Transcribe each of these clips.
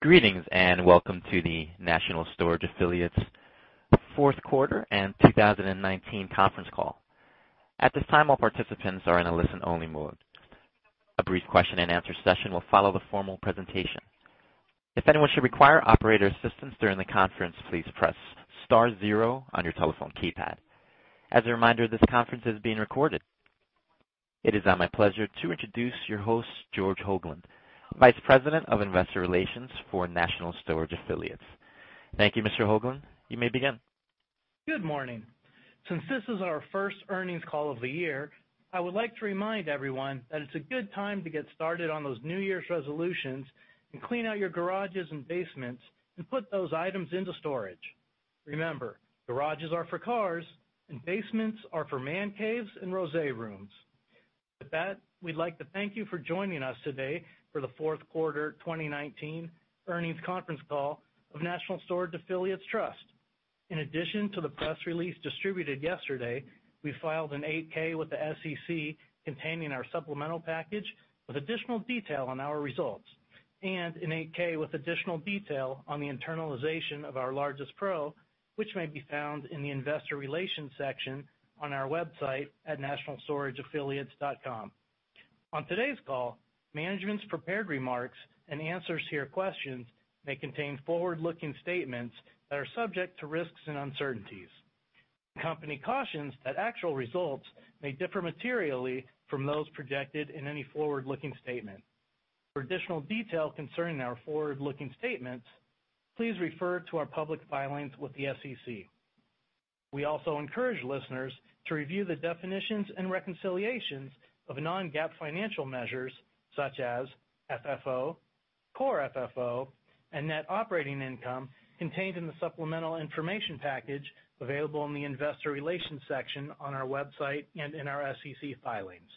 Greetings, and welcome to the National Storage Affiliates Fourth Quarter and 2019 Conference Call. At this time, all participants are in a listen-only mode. A brief question and answer session will follow the formal presentation. If anyone should require operator assistance during the conference, please press star zero on your telephone keypad. As a reminder, this conference is being recorded. It is now my pleasure to introduce your host, George Hoglund, Vice President of Investor Relations for National Storage Affiliates. Thank you, Mr. Hoglund. You may begin. Good morning. Since this is our first earnings call of the year, I would like to remind everyone that it's a good time to get started on those New Year's resolutions and clean out your garages and basements and put those items into storage. Remember, garages are for cars and basements are for man caves and rosé rooms. We'd like to thank you for joining us today for the fourth quarter 2019 earnings conference call of National Storage Affiliates Trust. In addition to the press release distributed yesterday, we filed an 8-K with the SEC containing our supplemental package with additional detail on our results, and an 8-K with additional detail on the internalization of our largest PRO, which may be found in the investor relations section on our website at nationalstorageaffiliates.com. On today's call, management's prepared remarks and answers to your questions may contain forward-looking statements that are subject to risks and uncertainties. The company cautions that actual results may differ materially from those projected in any forward-looking statement. For additional detail concerning our forward-looking statements, please refer to our public filings with the SEC. We also encourage listeners to review the definitions and reconciliations of non-GAAP financial measures such as FFO, Core FFO, and net operating income contained in the supplemental information package available in the investor relations section on our website and in our SEC filings.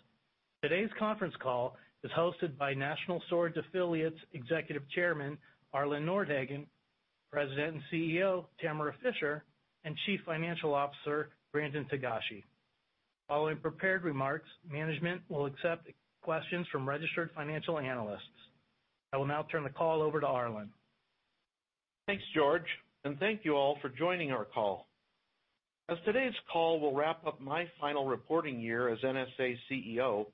Today's conference call is hosted by National Storage Affiliates Executive Chairman, Arlen Nordhagen, President and CEO, Tamara Fischer, and Chief Financial Officer, Brandon Togashi. Following prepared remarks, management will accept questions from registered financial analysts. I will now turn the call over to Arlen. Thanks, George, and thank you all for joining our call. Today's call will wrap up my final reporting year as NSA CEO.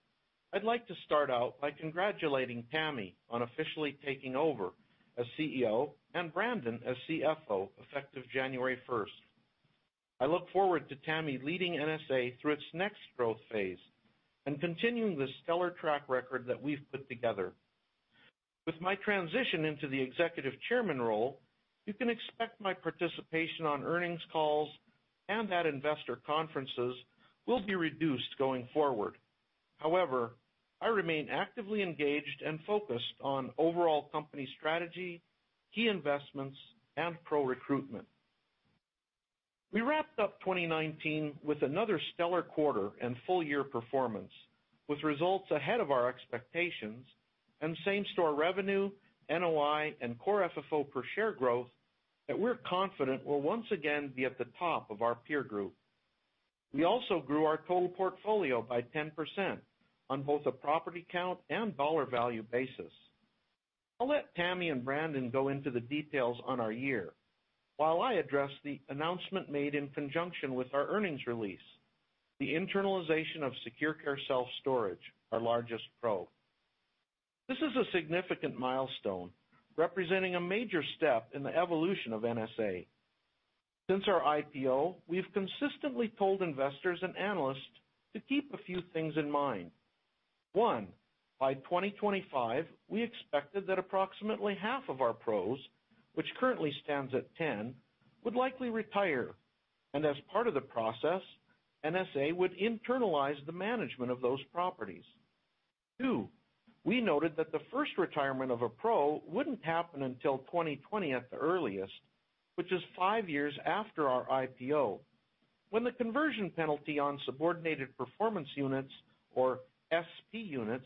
I'd like to start out by congratulating Tammy on officially taking over as CEO, and Brandon as CFO, effective January 1. I look forward to Tammy leading NSA through its next growth phase and continuing the stellar track record that we've put together. With my transition into the Executive Chairman role, you can expect my participation on earnings calls and at investor conferences will be reduced going forward. However, I remain actively engaged and focused on overall company strategy, key investments, and PRO recruitment. We wrapped up 2019 with another stellar quarter and full-year performance, with results ahead of our expectations and same-store revenue, NOI, and Core FFO per share growth, that we're confident will once again be at the top of our peer group. We also grew our total portfolio by 10% on both a property count and dollar value basis. I'll let Tammy and Brandon go into the details on our year, while I address the announcement made in conjunction with our earnings release, the internalization of SecurCare Self Storage, our largest PRO. This is a significant milestone, representing a major step in the evolution of NSA. Since our IPO, we've consistently told investors and analysts to keep a few things in mind. One, by 2025, we expected that approximately half of our PROs, which currently stands at 10, would likely retire. As part of the process, NSA would internalize the management of those properties. Two, we noted that the first retirement of a PRO wouldn't happen until 2020 at the earliest, which is five years after our IPO, when the conversion penalty on Subordinated Performance Units, or SP units,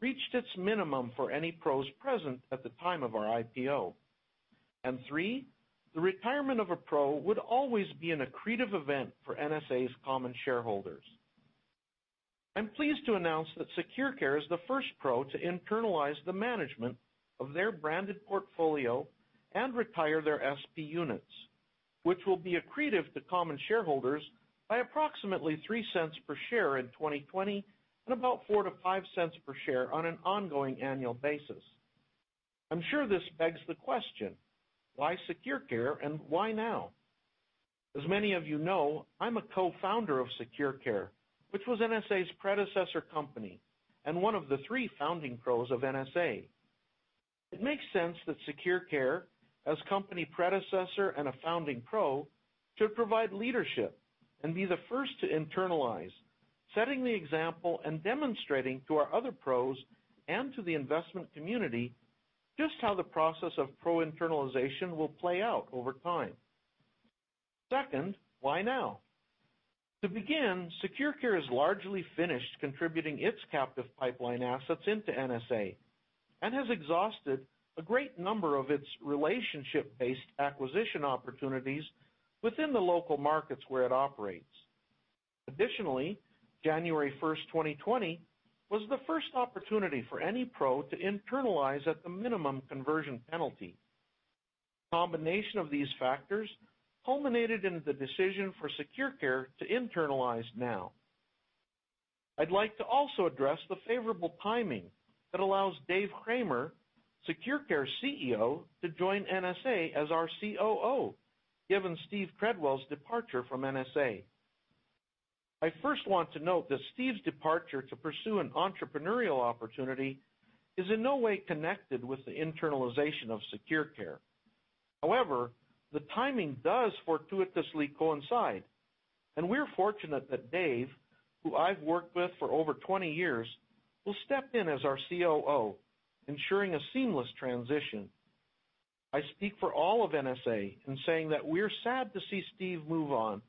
reached its minimum for any PROs present at the time of our IPO. Three, the retirement of a PRO would always be an accretive event for NSA's common shareholders. I'm pleased to announce that SecurCare is the first PRO to internalize the management of their branded portfolio and retire their SP units, which will be accretive to common shareholders by approximately $0.03 per share in 2020 and about $0.04-$0.05 per share on an ongoing annual basis. I'm sure this begs the question: why SecurCare and why now? As many of you know, I'm a Co-Founder of SecurCare, which was NSA's predecessor company and one of the three founding PROs of NSA. It makes sense that SecurCare, as company predecessor and a founding PRO, should provide leadership and be the first to internalize, setting the example and demonstrating to our other PROs and to the investment community just how the process of PRO internalization will play out over time. Second, why now? To begin, SecurCare is largely finished contributing its captive pipeline assets into NSA and has exhausted a great number of its relationship-based acquisition opportunities within the local markets where it operates. Additionally, January 1st, 2020, was the first opportunity for any PRO to internalize at the minimum conversion penalty. Combination of these factors culminated in the decision for SecurCare to internalize now. I'd like to also address the favorable timing that allows Dave Cramer, SecurCare CEO, to join NSA as our COO, given Steve Treadwell's departure from NSA. I first want to note that Steve's departure to pursue an entrepreneurial opportunity is in no way connected with the internalization of SecurCare. However, the timing does fortuitously coincide, and we're fortunate that Dave, who I've worked with for over 20 years, will step in as our COO, ensuring a seamless transition. I speak for all of NSA in saying that we're sad to see Steve move on,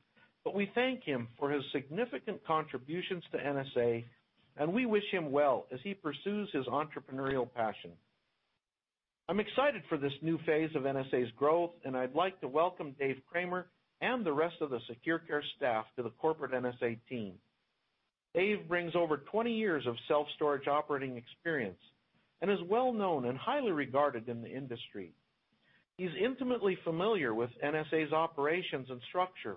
but we thank him for his significant contributions to NSA, and we wish him well as he pursues his entrepreneurial passion. I'm excited for this new phase of NSA's growth, and I'd like to welcome Dave Cramer and the rest of the SecurCare staff to the corporate NSA team. Dave brings over 20 years of self-storage operating experience and is well-known and highly regarded in the industry. He's intimately familiar with NSA's operations and structure,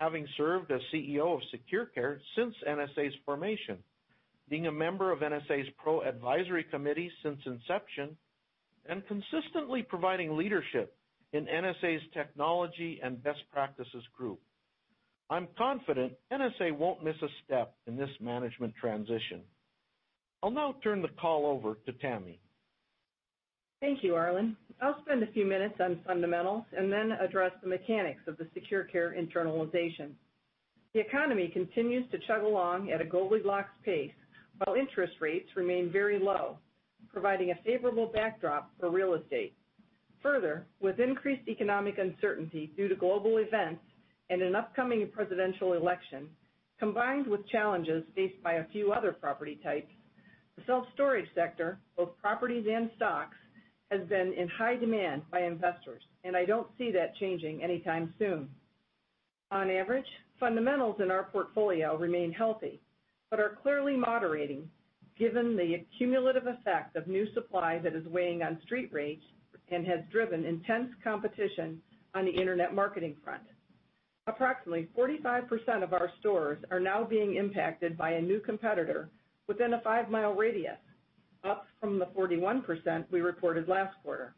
having served as CEO of SecurCare since NSA's formation, being a member of NSA's PRO advisory committee since inception, and consistently providing leadership in NSA's technology and best practices group. I'm confident NSA won't miss a step in this management transition. I'll now turn the call over to Tammy. Thank you, Arlen. I'll spend a few minutes on fundamentals and then address the mechanics of the SecurCare internalization. The economy continues to chug along at a Goldilocks pace while interest rates remain very low, providing a favorable backdrop for real estate. With increased economic uncertainty due to global events and an upcoming presidential election, combined with challenges faced by a few other property types, the self-storage sector, both properties and stocks, has been in high demand by investors, and I don't see that changing anytime soon. On average, fundamentals in our portfolio remain healthy, but are clearly moderating given the cumulative effect of new supply that is weighing on street rates and has driven intense competition on the internet marketing front. Approximately 45% of our stores are now being impacted by a new competitor within a 5-mi radius, up from the 41% we reported last quarter.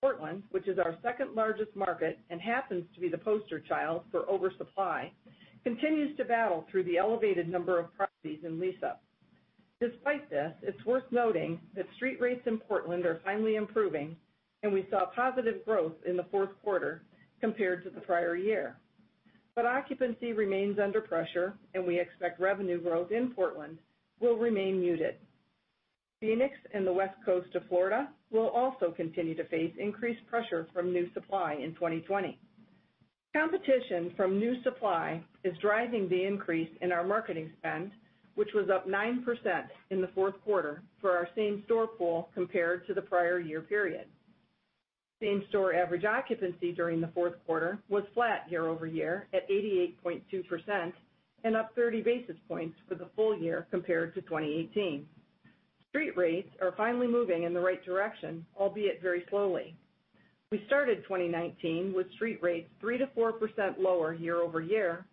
Portland, which is our second-largest market and happens to be the poster child for oversupply, continues to battle through the elevated number of properties in lease-up. Despite this, it's worth noting that street rates in Portland are finally improving, and we saw positive growth in the fourth quarter compared to the prior year. Occupancy remains under pressure, and we expect revenue growth in Portland will remain muted. Phoenix and the west coast of Florida will also continue to face increased pressure from new supply in 2020. Competition from new supply is driving the increase in our marketing spend, which was up 9% in the fourth quarter for our same-store pool compared to the prior year period. Same-store average occupancy during the fourth quarter was flat year-over-year at 88.2% and up 30 basis points for the full year compared to 2018. Street rates are finally moving in the right direction, albeit very slowly. We started 2019 with street rates 3%-4% lower year-over-year,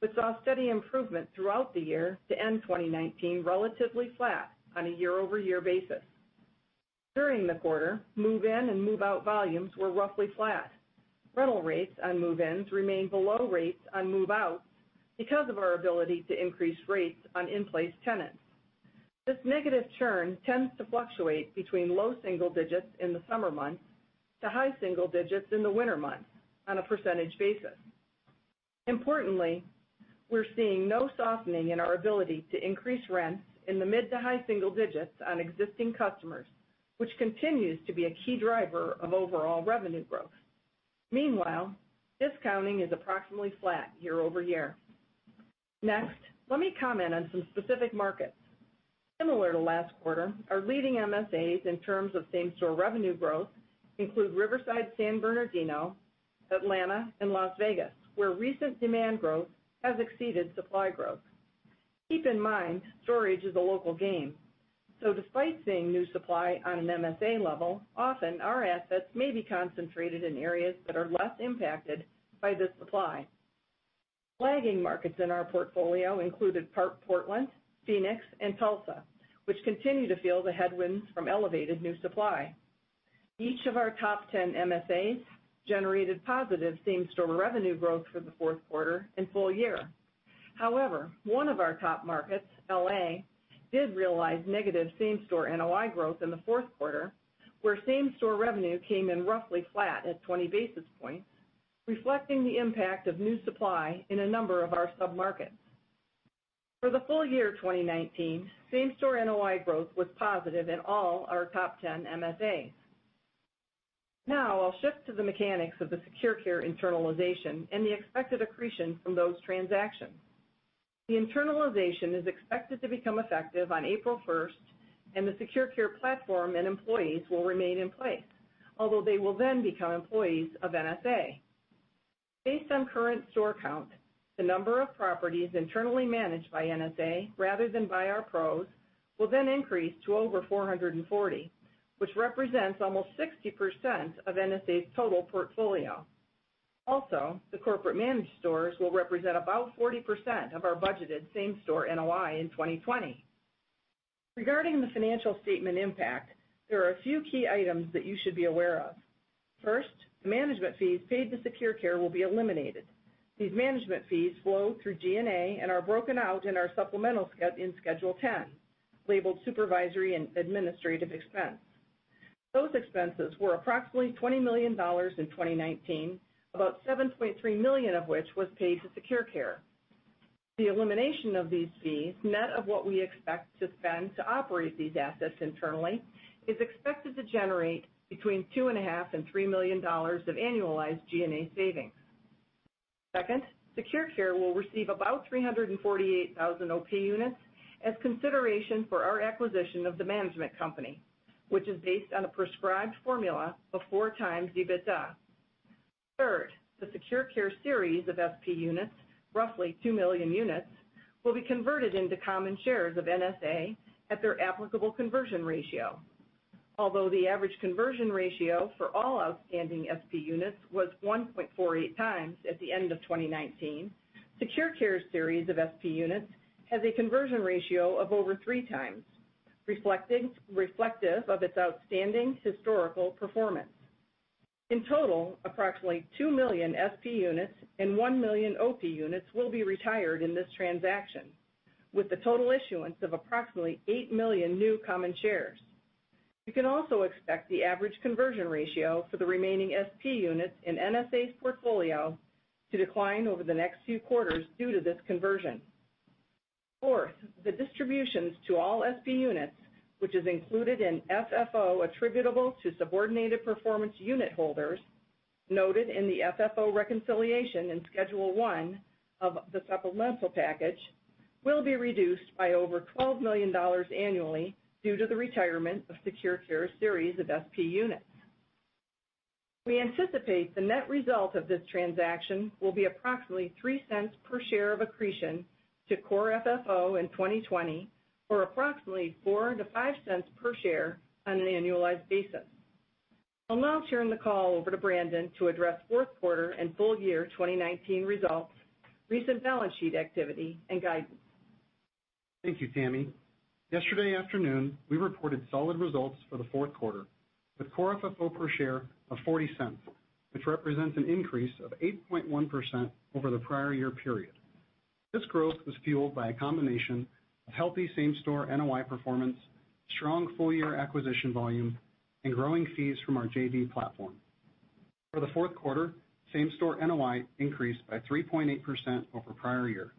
but saw steady improvement throughout the year to end 2019 relatively flat on a year-over-year basis. During the quarter, move-in and move-out volumes were roughly flat. Rental rates on move-ins remain below rates on move-outs because of our ability to increase rates on in-place tenants. This negative churn tends to fluctuate between low single digits in the summer months to high single digits in the winter months on a percentage basis. Importantly, we're seeing no softening in our ability to increase rents in the mid to high single digits on existing customers, which continues to be a key driver of overall revenue growth. Meanwhile, discounting is approximately flat year-over-year. Next, let me comment on some specific markets. Similar to last quarter, our leading MSAs in terms of same-store revenue growth include Riverside, San Bernardino, Atlanta, and Las Vegas, where recent demand growth has exceeded supply growth. Keep in mind, storage is a local game, so despite seeing new supply on an MSA level, often our assets may be concentrated in areas that are less impacted by this supply. Lagging markets in our portfolio included Portland, Phoenix, and Tulsa, which continue to feel the headwinds from elevated new supply. Each of our top 10 MSAs generated positive same-store revenue growth for the fourth quarter and full year. One of our top markets, L.A., did realize negative same-store NOI growth in the fourth quarter, where same-store revenue came in roughly flat at 20 basis points, reflecting the impact of new supply in a number of our sub-markets. For the full year 2019, same-store NOI growth was positive in all our top 10 MSAs. I'll shift to the mechanics of the SecurCare internalization and the expected accretion from those transactions. The internalization is expected to become effective on April 1st, and the SecurCare platform and employees will remain in place. Although they will then become employees of NSA. Based on current store count, the number of properties internally managed by NSA rather than by our PROs, will then increase to over 440, which represents almost 60% of NSA's total portfolio. The corporate managed stores will represent about 40% of our budgeted same-store NOI in 2020. Regarding the financial statement impact, there are a few key items that you should be aware of. First, the management fees paid to SecurCare will be eliminated. These management fees flow through G&A and are broken out in our supplemental in Schedule 10, labeled supervisory and administrative expense. Those expenses were approximately $20 million in 2019, about $7.3 million of which was paid to SecurCare. The elimination of these fees, net of what we expect to spend to operate these assets internally, is expected to generate between $2.5 million-$3 million of annualized G&A savings. Second, SecurCare will receive about 348,000 OP units as consideration for our acquisition of the management company, which is based on a prescribed formula of 4x the EBITDA. Third, the SecurCare series of SP units, roughly two million units, will be converted into common shares of NSA at their applicable conversion ratio. Although the average conversion ratio for all outstanding SP units was 1.48x at the end of 2019, SecurCare's series of SP units has a conversion ratio of over 3x, reflective of its outstanding historical performance. In total, approximately two million SP units and one million OP units will be retired in this transaction, with the total issuance of approximately eight million new common shares. You can also expect the average conversion ratio for the remaining SP units in NSA's portfolio to decline over the next few quarters due to this conversion. Fourth, the distributions to all SP units, which is included in FFO attributable to Subordinated Performance Unit holders, noted in the FFO reconciliation in Schedule one of the supplemental packages, will be reduced by over $12 million annually due to the retirement of SecurCare's series of SP units. We anticipate the net result of this transaction will be approximately $0.03 per share of accretion to Core FFO in 2020, or approximately $0.04-$0.05 per share on an annualized basis. I'll now turn the call over to Brandon to address fourth quarter and full year 2019 results, recent balance sheet activity, and guidance. Thank you, Tammy. Yesterday afternoon, we reported solid results for the fourth quarter, with Core FFO per share of $0.40, which represents an increase of 8.1% over the prior year period. This growth was fueled by a combination of healthy same-store NOI performance, strong full-year acquisition volume, and growing fees from our JV platform. For the fourth quarter, same-store NOI increased by 3.8% over prior year,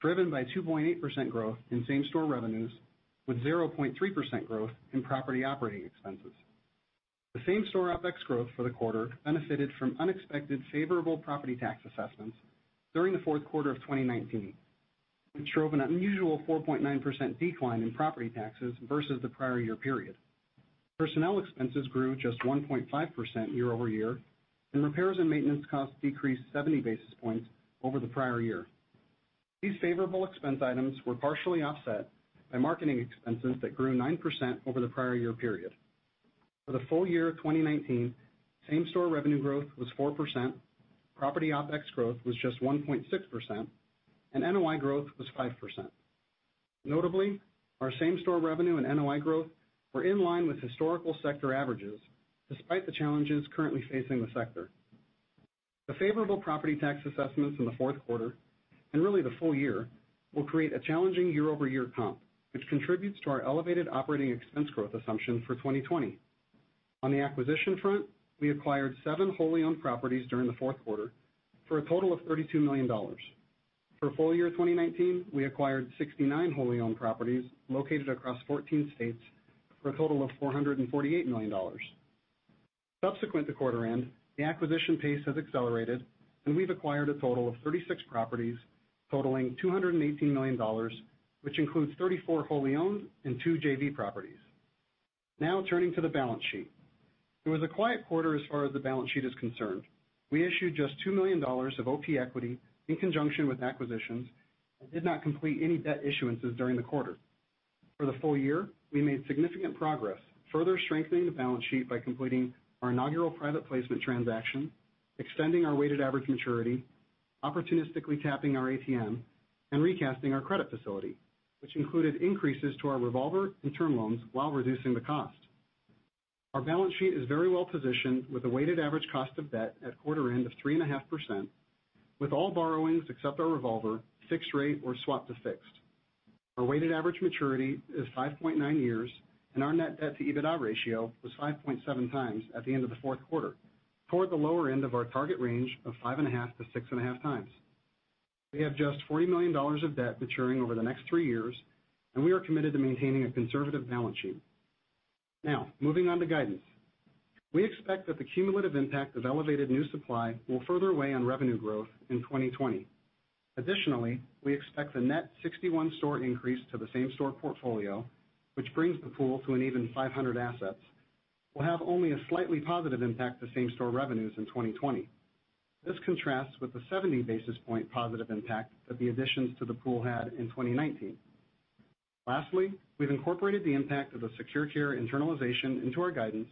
driven by 2.8% growth in same-store revenues, with 0.3% growth in property operating expenses. The same-store OPEX growth for the quarter benefited from unexpected favorable property tax assessments during the fourth quarter of 2019, which drove an unusual 4.9% decline in property taxes versus the prior year period. Personnel expenses grew just 1.5% year-over-year, and repairs and maintenance costs decreased 70 basis points over the prior year. These favorable expense items were partially offset by marketing expenses that grew 9% over the prior year period. For the full year 2019, same-store revenue growth was 4%, property OPEX growth was just 1.6%, and NOI growth was 5%. Notably, our same-store revenue and NOI growth were in line with historical sector averages, despite the challenges currently facing the sector. The favorable property tax assessments in the fourth quarter, and really the full year, will create a challenging year-over-year comp, which contributes to our elevated operating expense growth assumption for 2020. On the acquisition front, we acquired seven wholly owned properties during the fourth quarter for a total of $32 million. For full year 2019, we acquired 69 wholly owned properties located across 14 states for a total of $448 million. Subsequent to quarter end, the acquisition pace has accelerated, and we've acquired a total of 36 properties totaling $218 million, which includes 34 wholly owned and two JV properties. Now turning to the balance sheet. It was a quiet quarter as far as the balance sheet is concerned. We issued just $2 million of OP equity in conjunction with acquisitions and did not complete any debt issuances during the quarter. For the full year, we made significant progress, further strengthening the balance sheet by completing our inaugural private placement transaction, extending our weighted average maturity, opportunistically capping our ATM, and recasting our credit facility, which included increases to our revolver and term loans while reducing the cost. Our balance sheet is very well positioned with a weighted average cost of debt at quarter end of 3.5%, with all borrowings except our revolver, fixed rate or swap to fixed. Our weighted average maturity is 5.9 years, and our net debt to EBITDA ratio was 5.7x at the end of the fourth quarter, toward the lower end of our target range of 5.5x-6.5x. We have just $40 million of debt maturing over the next three years, and we are committed to maintaining a conservative balance sheet. Now, moving on to guidance. We expect that the cumulative impact of elevated new supply will further weigh on revenue growth in 2020. Additionally, we expect the net 61 store increase to the same-store portfolio, which brings the pool to an even 500 assets, will have only a slightly positive impact to same-store revenues in 2020. This contrasts with the 70-basis point positive impact that the additions to the pool had in 2019. Lastly, we've incorporated the impact of the SecurCare internalization into our guidance,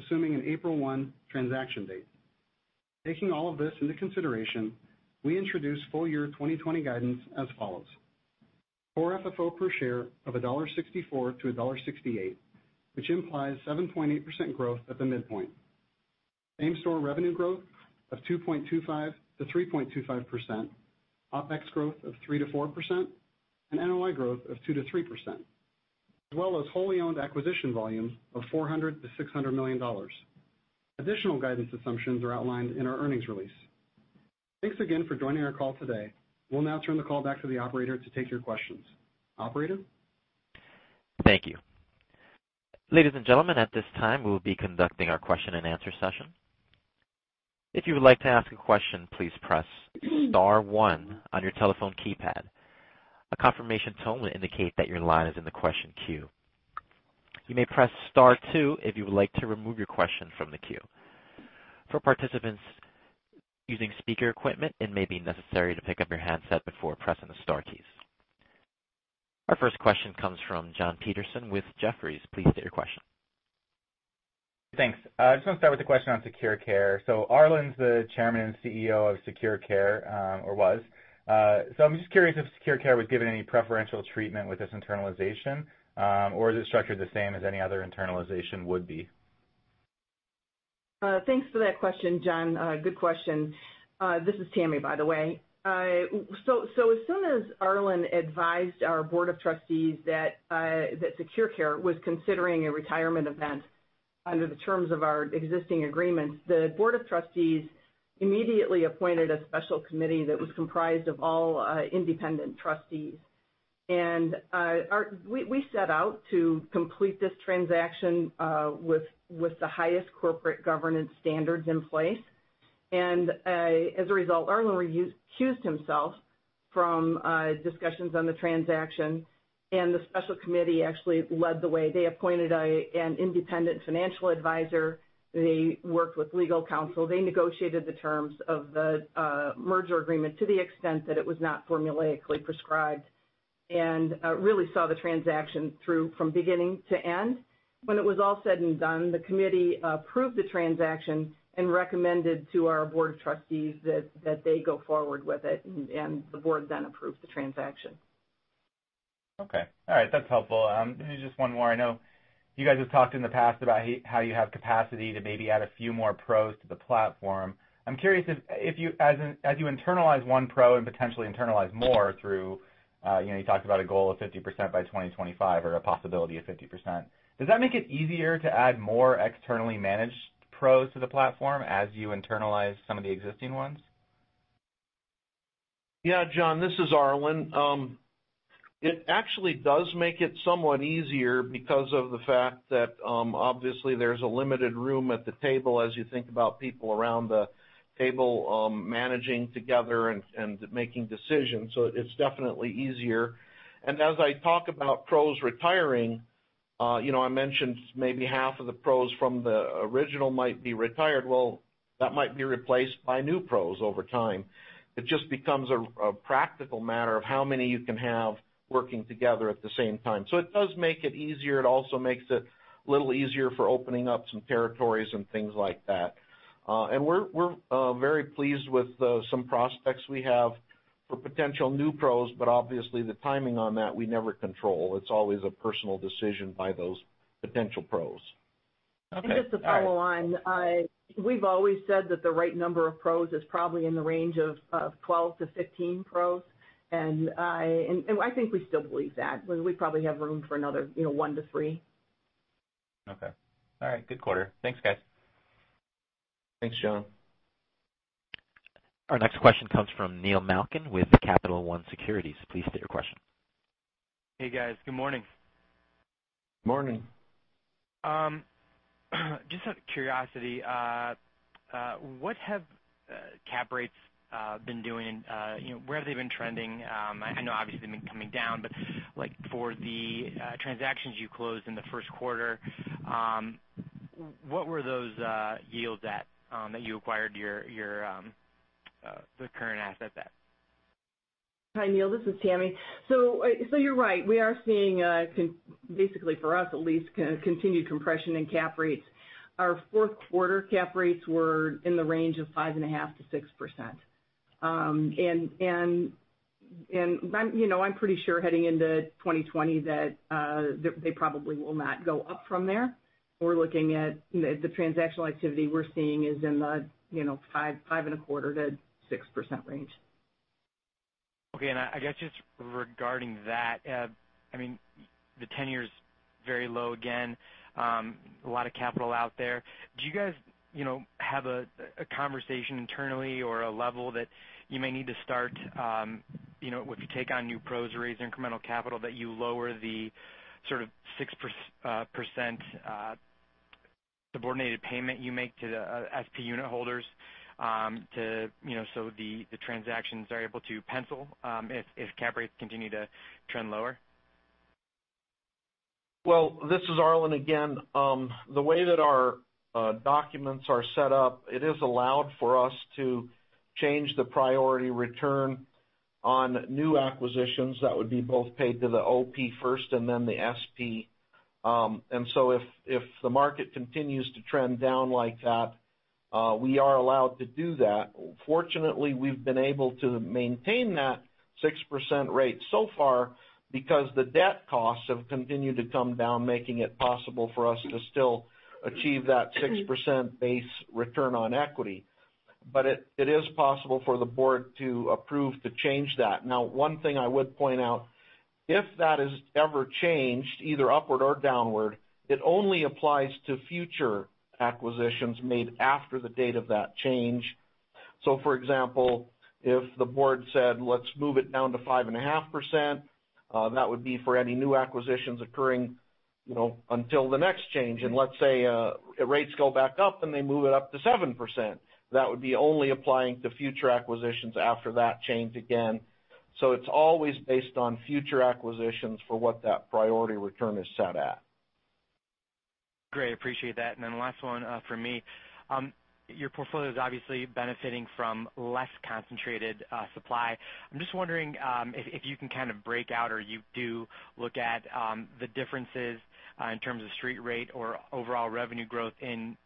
assuming an April 1 transaction date. Taking all of this into consideration, we introduce full-year 2020 guidance as follows: Core FFO per share of $1.64-$1.68, which implies 7.8% growth at the midpoint. Same-store revenue growth of 2.25%-3.25%, OpEx growth of 3%-4%, and NOI growth of 2%-3%, as well as wholly-owned acquisition volume of $400 million-$600 million. Additional guidance assumptions are outlined in our earnings release. Thanks again for joining our call today. We'll now turn the call back to the operator to take your questions. Operator? Thank you. Ladies and gentlemen, at this time, we will be conducting our question and answer session. If you would like to ask a question, please press star one on your telephone keypad. A confirmation tone will indicate that your line is in the question queue. You may press star two if you would like to remove your question from the queue. For participants using speaker equipment, it may be necessary to pick up your handset before pressing the star keys. Our first question comes from Jon Peterson with Jefferies. Please state your question. Thanks. I just want to start with a question on SecurCare. Arlen's the chairman and CEO of SecurCare, or was. I'm just curious if SecurCare was given any preferential treatment with this internalization, or is it structured the same as any other internalization would be? Thanks for that question, Jon. Good question. This is Tammy, by the way. As soon as Arlen advised our Board of Trustees that SecurCare was considering a retirement event under the terms of our existing agreements, the Board of Trustees immediately appointed a special committee that was comprised of all independent trustees. We set out to complete this transaction with the highest corporate governance standards in place. As a result, Arlen recused himself from discussions on the transaction and the special committee actually led the way. They appointed an independent financial advisor. They worked with legal counsel. They negotiated the terms of the merger agreement to the extent that it was not formulaically prescribed and really saw the transaction through from beginning to end. When it was all said and done, the committee approved the transaction and recommended to our board of trustees that they go forward with it, and the board then approved the transaction. Okay. All right. That's helpful. Maybe just one more. I know you guys have talked in the past about how you have capacity to maybe add a few more PROs to the platform. I'm curious if, as you internalize one PRO and potentially internalize more through, you talked about a goal of 50% by 2025 or a possibility of 50%. Does that make it easier to add more externally managed PROs to the platform as you internalize some of the existing ones? Yeah. Jon, this is Arlen. It actually does make it somewhat easier because of the fact that obviously there's a limited room at the table as you think about people around the table managing together and making decisions. It's definitely easier. As I talk about PROs retiring, I mentioned maybe 1/2 of the PROs from the original might be retired. Well, that might be replaced by new PROs over time. It just becomes a practical matter of how many you can have working together at the same time. It does make it easier. It also makes it a little easier for opening up some territories and things like that. We're very pleased with some prospects we have for potential new PROs, obviously the timing on that we never control. It's always a personal decision by those potential PROs. Okay. All right. Just to follow on, we've always said that the right number of PROs is probably in the range of 12-15 PROs, and I think we still believe that. We probably have room for another one to three. Okay. All right. Good quarter. Thanks, guys. Thanks, Jon. Our next question comes from Neil Malkin with Capital One Securities. Please state your question. Hey, guys. Good morning. Morning. Just out of curiosity, what have cap rates been doing? Where have they been trending? I know obviously they've been coming down, like for the transactions you closed in the first quarter, what were those yields at that you acquired your current asset at? Hi, Neil. This is Tammy. You're right. We are seeing, basically for us at least, continued compression in cap rates. Our fourth quarter cap rates were in the range of 5.5%-6%. I'm pretty sure heading into 2020 that they probably will not go up from there. We're looking at the transactional activity we're seeing is in the 5.25%-6% range. Okay. I guess just regarding that, the tenor's very low again. A lot of capital out there. Do you guys have a conversation internally or a level that you may need to start if you take on new PROs or raise incremental capital, that you lower the sort of 6% cap subordinated payment you make to the SP unitholders, so the transactions are able to pencil if cap rates continue to trend lower? Well, this is Arlen again. The way that our documents are set up, it is allowed for us to change the priority return on new acquisitions that would be both paid to the OP first and then the SP. If the market continues to trend down like that, we are allowed to do that. Fortunately, we've been able to maintain that 6% rate so far because the debt costs have continued to come down, making it possible for us to still achieve that 6% base return on equity. It is possible for the board to approve to change that. Now, one thing I would point out, if that is ever changed, either upward or downward, it only applies to future acquisitions made after the date of that change. For example, if the board said, "Let's move it down to 5.5%," that would be for any new acquisitions occurring until the next change. Let's say rates go back up and they move it up to 7%, that would be only applying to future acquisitions after that change again. It's always based on future acquisitions for what that priority return is set at. Great. Appreciate that. Last one from me. Your portfolio's obviously benefiting from less concentrated supply. I'm just wondering if you can kind of break out, or you do look at the differences in terms of street rate or overall revenue growth in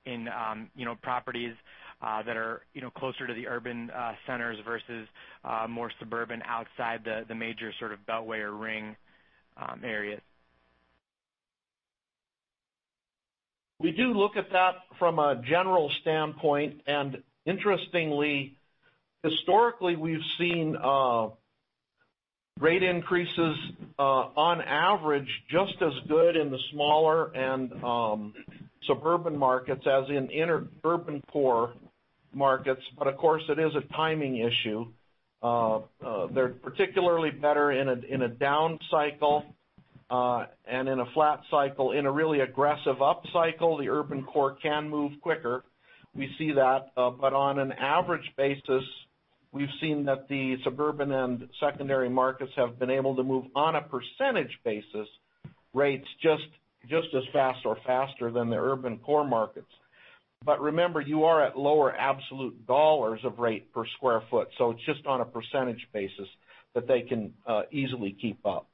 properties that are closer to the urban centers versus more suburban outside the major sort of beltway or ring areas? We do look at that from a general standpoint. Interestingly, historically, we've seen rate increases on average just as good in the smaller and suburban markets as in inner urban core markets. Of course, it is a timing issue. They're particularly better in a down cycle and in a flat cycle. In a really aggressive upcycle, the urban core can move quicker, we see that. On an average basis, we've seen that the suburban and secondary markets have been able to move, on a percentage basis, rates just as fast or faster than the urban core markets. Remember, you are at lower absolute dollars of rate per square foot. It's just on a percentage basis that they can easily keep up.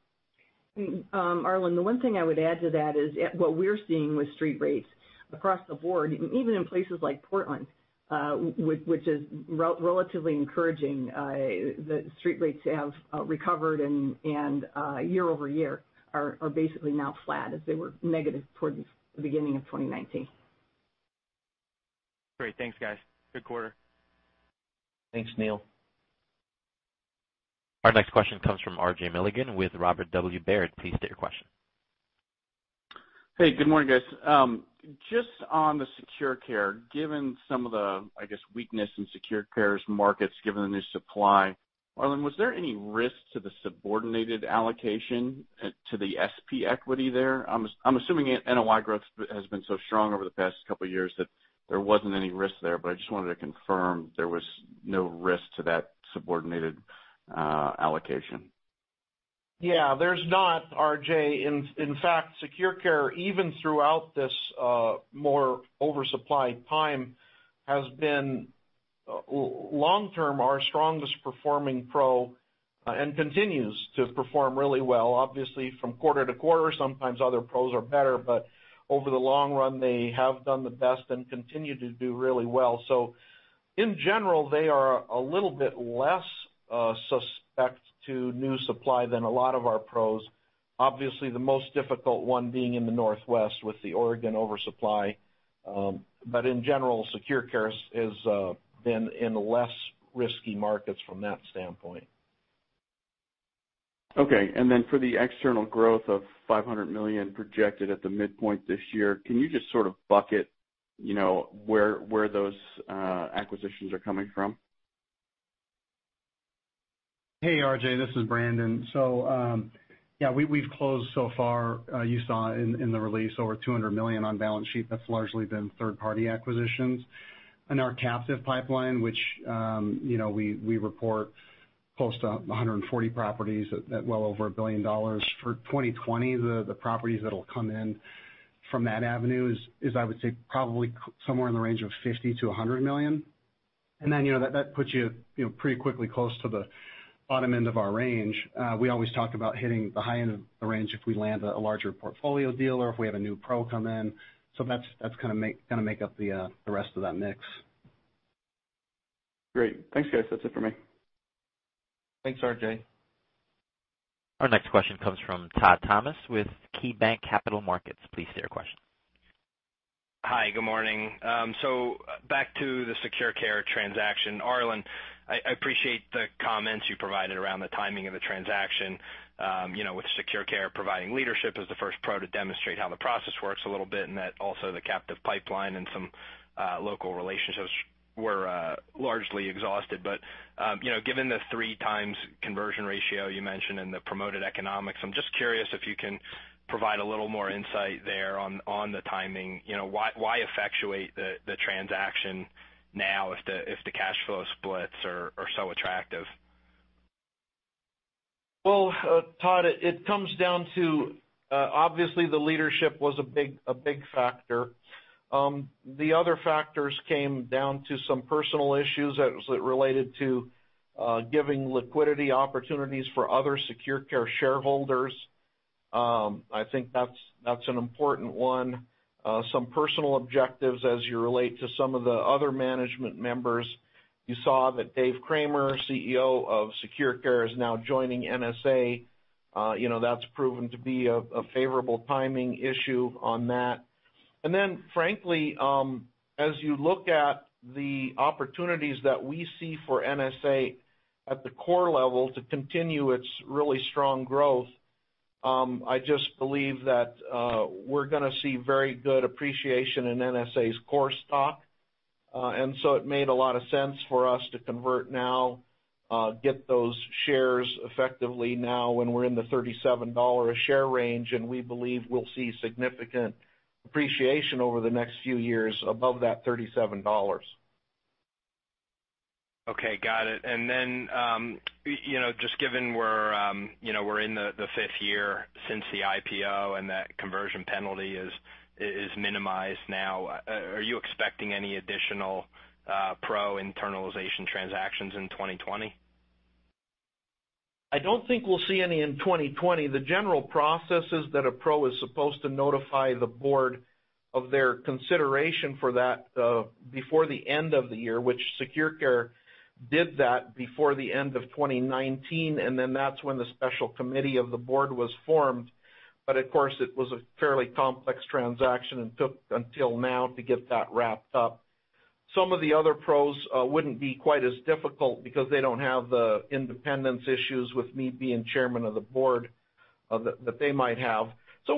Arlen, the one thing I would add to that is what we're seeing with street rates across the board, even in places like Portland which is relatively encouraging the street rates have recovered and year-over-year are basically now flat as they were negative towards the beginning of 2019. Great. Thanks, guys. Good quarter. Thanks, Neil. Our next question comes from RJ Milligan with Robert W. Baird. Please state your question. Hey, good morning, guys. Just on the SecurCare, given some of the, I guess, weakness in SecurCare's markets, given the new supply. Arlen, was there any risk to the subordinated allocation to the SP equity there? I'm assuming NOI growth has been so strong over the past couple of years that there wasn't any risk there, but I just wanted to confirm there was no risk to that subordinated allocation. Yeah, there's not RJ In fact, SecurCare, even throughout this more oversupplied time, has been long-term our strongest performing PRO, and continues to perform really well. From quarter to quarter, sometimes other PROs are better, but over the long run, they have done the best and continue to do really well. In general, they are a little bit less suspect to new supply than a lot of our PROs. The most difficult one being in the Northwest with the Oregon oversupply. In general, SecurCare has been in less risky markets from that standpoint. Okay. For the external growth of $500 million projected at the midpoint this year, can you just sort of bucket where those acquisitions are coming from? Hey, RJ, this is Brandon. Yeah, we've closed so far, you saw in the release, over $200 million on balance sheet. That's largely been third-party acquisitions. In our captive pipeline, which we report close to 140 properties at well over $1 billion. For 2020, the properties that'll come in from that avenue is, I would say, probably somewhere in the range of $50 million-$100 million. That puts you pretty quickly close to the bottom end of our range. We always talk about hitting the high end of the range if we land a larger portfolio deal or if we have a new PRO come in. That's gonna make up the rest of that mix. Great. Thanks, guys. That's it for me. Thanks, RJ. Our next question comes from Todd Thomas with KeyBanc Capital Markets. Please state your question. Hi, good morning. Back to the SecurCare transaction. Arlen, I appreciate the comments you provided around the timing of the transaction, with SecurCare providing leadership as the first PRO to demonstrate how the process works a little bit, and that also the captive pipeline and some local relationships were largely exhausted. Given the 3x conversion ratio you mentioned and the promoted economics, I'm just curious if you can provide a little more insight there on the timing. Why effectuate the transaction now if the cash flow splits are so attractive? Well, Todd, it comes down to obviously the leadership was a big factor. The other factors came down to some personal issues as it related to giving liquidity opportunities for other SecurCare shareholders. I think that's an important one. Some personal objectives as you relate to some of the other management members. You saw that David Cramer, CEO of SecurCare, is now joining NSA. That's proven to be a favorable timing issue on that. Frankly, as you look at the opportunities that we see for NSA at the core level to continue its really strong growth, I just believe that we're going to see very good appreciation in NSA's core stock. It made a lot of sense for us to convert now, get those shares effectively now when we're in the $37 a share range, and we believe we'll see significant appreciation over the next few years above that $37. Okay. Got it. Just given we're in the fifth year since the IPO and that conversion penalty is minimized now, are you expecting any additional PRO internalization transactions in 2020? I don't think we'll see any in 2020. The general process is that a PRO is supposed to notify the board of their consideration for that, before the end of the year, which SecurCare did that before the end of 2019, and then that's when the special committee of the board was formed. Of course, it was a fairly complex transaction and took until now to get that wrapped up. Some of the other PROs wouldn't be quite as difficult because they don't have the independence issues with me being Chairman of the Board that they might have.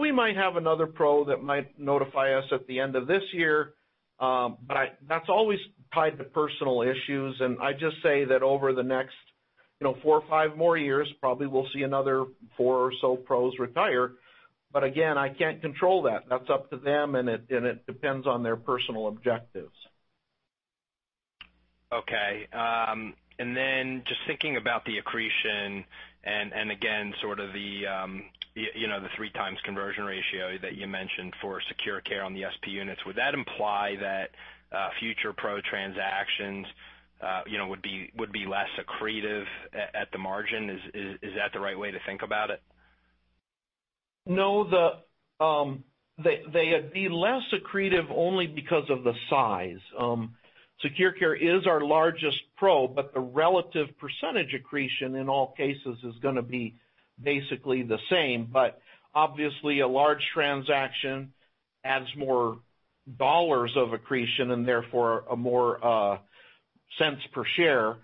We might have another PRO that might notify us at the end of this year. That's always tied to personal issues, and I just say that over the next four or five more years, probably we'll see another four or so PROs retire. Again, I can't control that. That's up to them, and it depends on their personal objectives. Okay. Then just thinking about the accretion and, again, sort of the 3x conversion ratio that you mentioned for SecurCare on the SP units, would that imply that future PRO transactions would be less accretive at the margin? Is that the right way to think about it? No. They would be less accretive only because of the size. SecurCare is our largest PRO, the relative percentage accretion in all cases is going to be basically the same. Obviously, a large transaction adds more dollars of accretion and therefore more cents per share.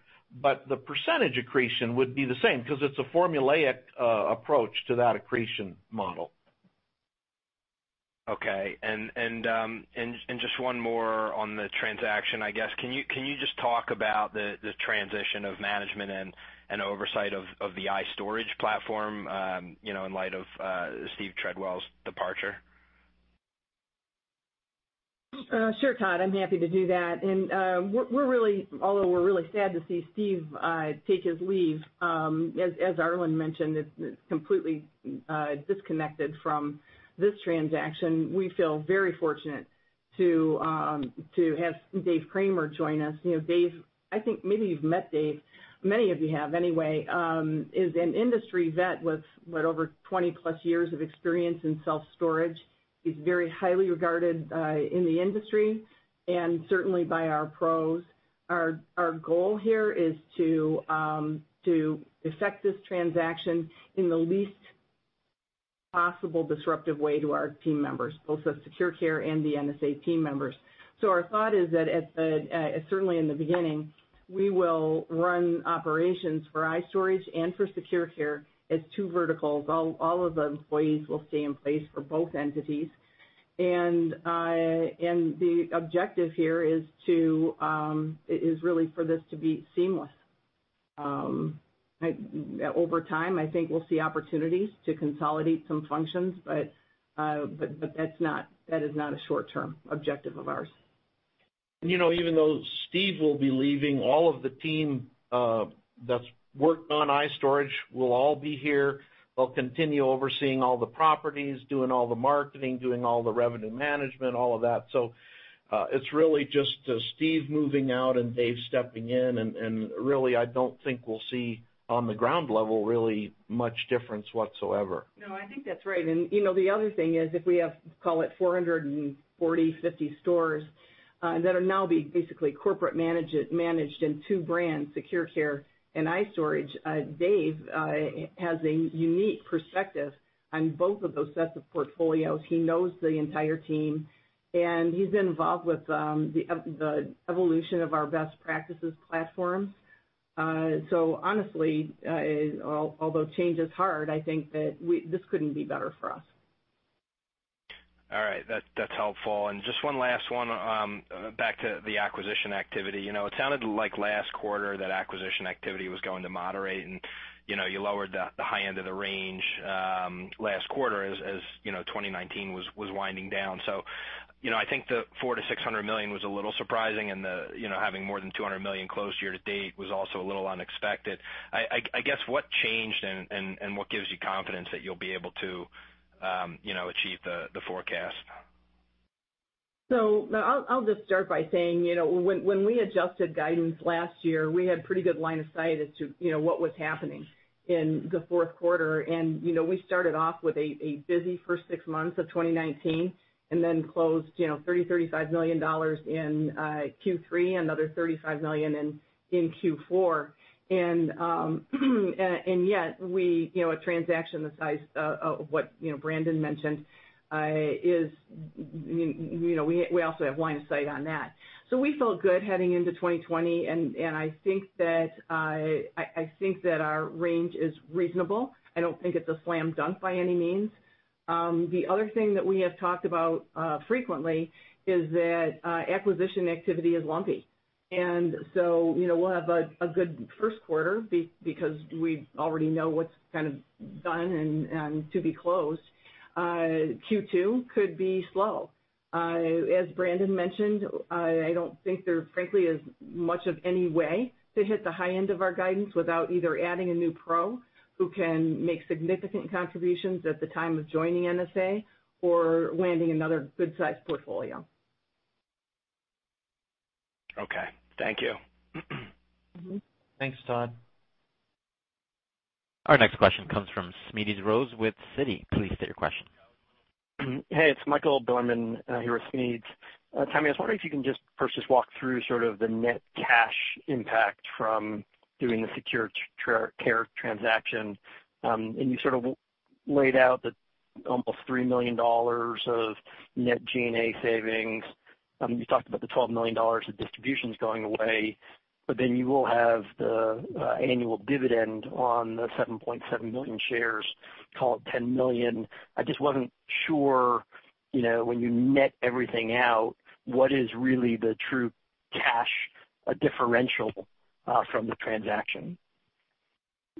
The percentage accretion would be the same because it's a formulaic approach to that accretion model. Okay. Just one more on the transaction, I guess. Can you just talk about the transition of management and oversight of the iStorage platform, in light of Steven Treadwell's departure? Sure, Todd, I'm happy to do that. Although we're really sad to see Steve take his leave, as Arlen mentioned, it's completely disconnected from this transaction. We feel very fortunate to have David Cramer join us. Dave, I think maybe you've met Dave. Many of you have, anyway, is an industry vet with what? Over 20+ years of experience in self-storage. He's very highly regarded in the industry and certainly by our PROs. Our goal here is to effect this transaction in the least possible disruptive way to our team members, both the SecurCare and the NSA team members. Our thought is that, certainly in the beginning, we will run operations for iStorage and for SecurCare as two verticals. All of the employees will stay in place for both entities, and the objective here is really for this to be seamless. Over time, I think we'll see opportunities to consolidate some functions, but that is not a short-term objective of ours. Even though Steve will be leaving, all of the team that's worked on iStorage will all be here, will continue overseeing all the properties, doing all the marketing, doing all the revenue management, all of that. It's really just Steve moving out and Dave stepping in, and really, I don't think we'll see, on the ground level really, much difference whatsoever. No, I think that's right. The other thing is, if we have, call it 440, 450 stores that are now being basically corporate managed in two brands, SecurCare and iStorage, Dave has a unique perspective on both of those sets of portfolios. He knows the entire team, and he's been involved with the evolution of our best practices platform. Honestly, although change is hard, I think that this couldn't be better for us. All right. That's helpful. Just one last one, back to the acquisition activity. It sounded like last quarter that acquisition activity was going to moderate and you lowered the high end of the range last quarter as 2019 was winding down. I think the $400 million-$600 million was a little surprising, and having more than $200 million closed year to date was also a little unexpected. I guess, what changed and what gives you confidence that you'll be able to achieve the forecast? I'll just start by saying, when we adjusted guidance last year, we had pretty good line of sight as to what was happening in the fourth quarter. We started off with a busy first six months of 2019 and then closed $30 million, $35 million in Q3, another $35 million in Q4. Yet, a transaction the size of what Brandon mentioned, we also have line of sight on that. We felt good heading into 2020, and I think that our range is reasonable. I don't think it's a slam dunk by any means. The other thing that we have talked about frequently is that acquisition activity is lumpy. We'll have a good first quarter because we already know what's kind of done and to be closed. Q2 could be slow. As Brandon mentioned, I don't think there frankly is much of any way to hit the high end of our guidance without either adding a new PRO who can make significant contributions at the time of joining NSA or landing another good-sized portfolio. Okay. Thank you. Thanks, Todd. Our next question comes from Smedes Rose with Citi. Please state your question. Hey, it's Michael Bilerman here with Smedes. Tammy, I was wondering if you can just first just walk through sort of the net cash impact from doing the SecurCare transaction. You sort of laid out the almost $3 million of net G&A savings. You talked about the $12 million of distributions going away, but then you will have the annual dividend on the 7.7 million shares, call it $10 million. I just wasn't sure, when you net everything out, what is really the true cash differential from the transaction?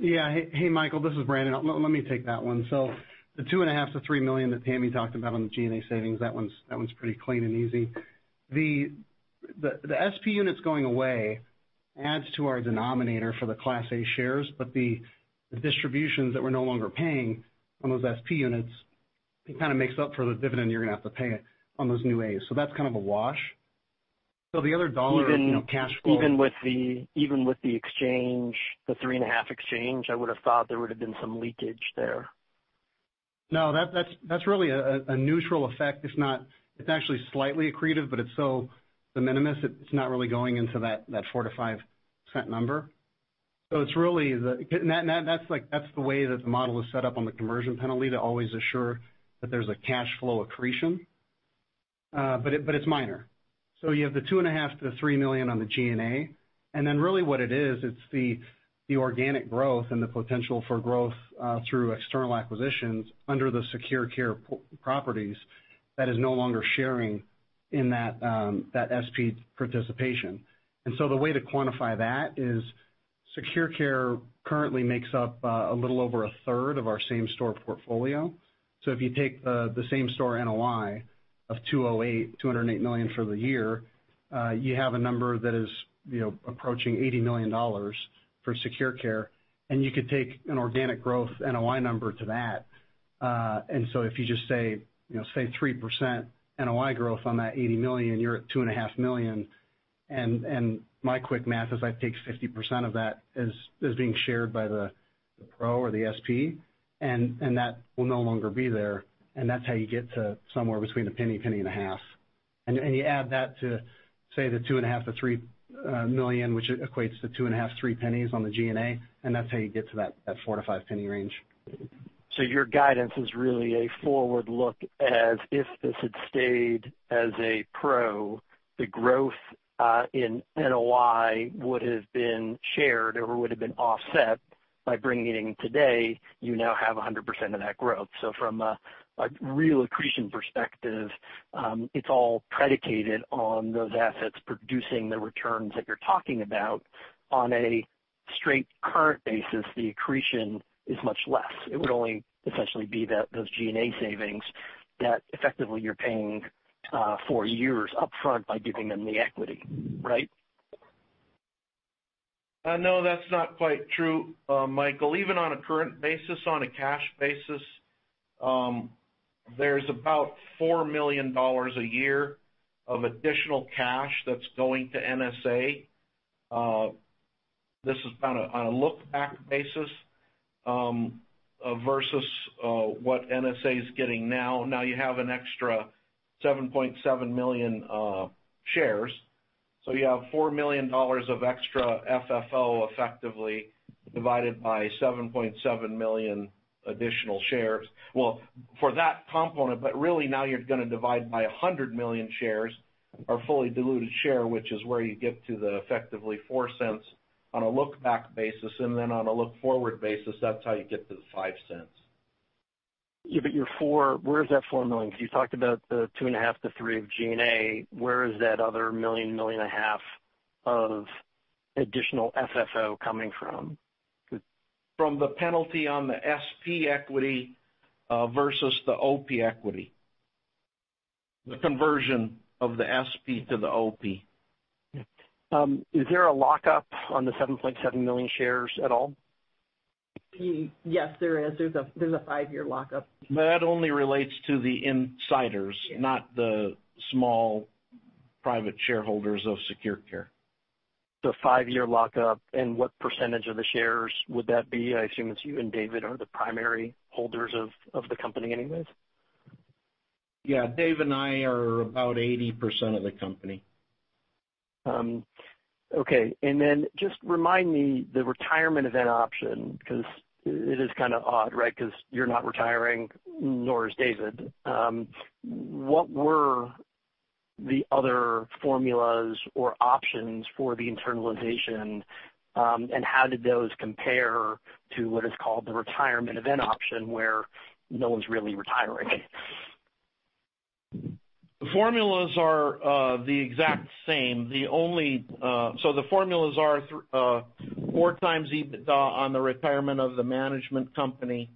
Hey, Michael, this is Brandon. Let me take that one. The $2.5 million-$3 million that Tammy talked about on the G&A savings, that one's pretty clean and easy. The SP units going away adds to our denominator for the Class A shares, the distributions that we're no longer paying on those SP units, it kind of makes up for the dividend you're going to have to pay on those new As. That's kind of a wash. The other dollar cash flow- Even with the exchange, the 3.5 exchange, I would have thought there would have been some leakage there. No, that's really a neutral effect. It's actually slightly accretive, but it's so de minimis, it's not really going into that $0.04-$0.05 number. That's the way that the model is set up on the conversion penalty to always assure that there's a cash flow accretion. It's minor. You have the $2.5 million-$3 million on the G&A, and then really what it is, it's the organic growth and the potential for growth through external acquisitions under the SecurCare properties that is no longer sharing in that SP participation. The way to quantify that is SecurCare currently makes up a little over 1/3 of our same store portfolio. If you take the same store NOI of $208 million for the year, you have a number that is approaching $80 million for SecurCare, and you could take an organic growth NOI number to that. If you just say 3% NOI growth on that $80 million, you're at $2.5 million. My quick math is I take 50% of that as being shared by the PRO or the SP, and that will no longer be there, and that's how you get to somewhere between $0.01, $0.015. You add that to, say, the $2.5 million to $3 million, which equates to $0.025, $0.03 on the G&A, and that's how you get to that $0.04-$0.05 range. Your guidance is really a forward look as if this had stayed as a PRO. The growth in NOI would have been shared or would have been offset by bringing it in today, you now have 100% of that growth. From a real accretion perspective, it's all predicated on those assets producing the returns that you're talking about. On a straight current basis, the accretion is much less. It would only essentially be those G&A savings that effectively you're paying for years upfront by giving them the equity, right? No, that's not quite true, Michael. Even on a current basis, on a cash basis, there's about $4 million a year of additional cash that's going to NSA. This is on a look-back basis versus what NSA is getting now. You have an extra 7.7 million shares. You have $4 million of extra FFO effectively divided by 7.7 million additional shares. Well, for that component, really now you're going to divide by 100 million shares or fully diluted share, which is where you get to the effectively $0.04 on a look-back basis, and then on a look-forward basis, that's how you get to the $0.05. Where is that $4 million? You talked about the $2.5 million-$3 million of G&A. Where is that other $1.5 million additional FFO coming from? From the penalty on the SP equity versus the OP equity. The conversion of the SP to the OP. Is there a lockup on the 7.7 million shares at all? Yes, there is. There's a five-year lockup. That only relates to the insiders. Yes. Not the small private shareholders of SecurCare. The five-year lockup, and what percentage of the shares would that be? I assume it's you and David are the primary holders of the company anyways. Yeah. Dave and I are about 80% of the company. Okay. Then just remind me, the retirement event option, because it is kind of odd, right? Because you're not retiring, nor is David. What were the other formulas or options for the internalization, and how did those compare to what is called the retirement event option, where no one's really retiring? The formulas are the exact same. The formulas are 4x EBITDA on the retirement of the management company.